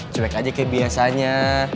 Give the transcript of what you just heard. cewek aja kayak biasanya